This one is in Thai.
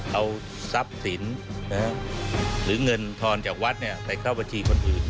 เอาทรัพย์สินหรือเงินทอนจากวัดไปเข้าบัญชีคนอื่น